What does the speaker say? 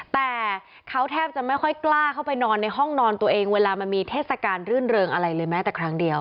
แต่เขาแทบจะไม่ค่อยกล้าเข้าไปนอนในห้องนอนตัวเองเวลามันมีเทศกาลรื่นเริงอะไรเลยแม้แต่ครั้งเดียว